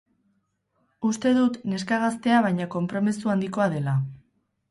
Uste dut neska gaztea baina konpromezu handikoa dela.